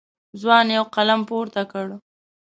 ځوان یو قلم پورته کړ.